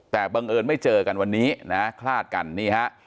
แต่บังเอิญไม่เจอกันวันนี้นะคลาดกันนี่ฮะ